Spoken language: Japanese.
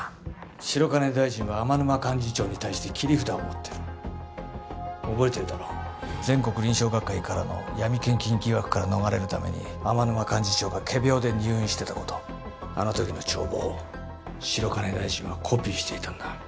白金大臣は天沼幹事長に対して切り札を持ってる覚えてるだろ全国臨床学会からの闇献金疑惑から逃れるために天沼幹事長が仮病で入院してたことあの時の帳簿を白金大臣はコピーしていたんだ